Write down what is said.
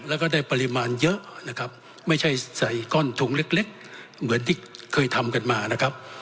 แล้วก็ได้ปริมาณเยอะนะครับไม่ใช่ใส่ก้อนถุงเล็กเล็กเหมือนที่เคยทำกันมานะครับ